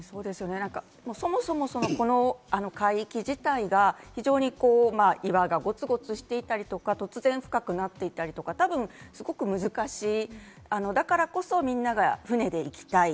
そもそも海域自体が非常に岩がゴツゴツしていたり、突然深くなっていたり、難しい、だからこそみんなが船で行きたい。